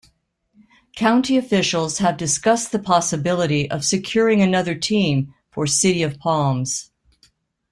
County officials have discussed the possibility of securing another team for City of Palms.